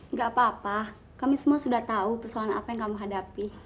nggak apa apa kami semua sudah tahu persoalan apa yang kamu hadapi